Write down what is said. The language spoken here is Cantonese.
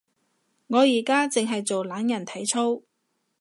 我而家淨係做懶人體操